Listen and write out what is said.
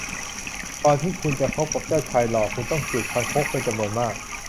ก่อนที่คุณจะพบกับเจ้าชายหล่อคุณต้องจูบคางคกเป็นจำนวนมาก